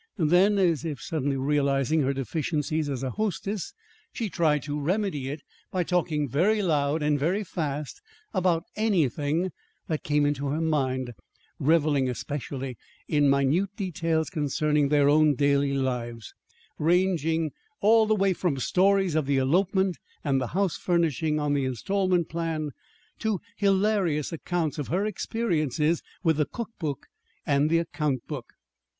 Then, as if suddenly realizing her deficiencies as a hostess, she tried to remedy it by talking very loud and very fast about anything that came into her mind, reveling especially in minute details concerning their own daily lives, ranging all the way from stories of the elopement and the house furnishing on the installment plan to hilarious accounts of her experiences with the cookbook and the account book.